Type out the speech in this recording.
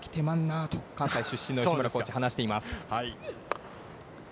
あと、関西出身の吉村コーチは話しています。